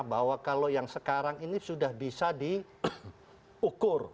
bahwa kalau yang sekarang ini sudah bisa diukur